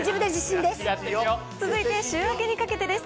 続いて週明けにかけてです。